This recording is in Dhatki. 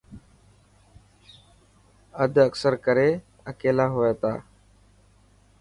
اد اڪثر ڪري اڪيلا هئي ٿا.